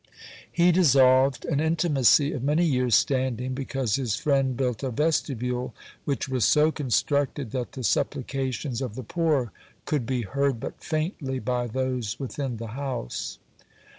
(67) He dissolved an intimacy of many years' standing, because his friend built a vestibule which was so constructed that the supplications of the poor could be heard but faintly by those within the house.